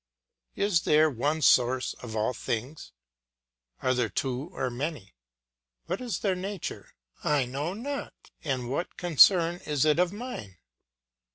Is there one source of all things? Are there two or many? What is their nature? I know not; and what concern is it of mine?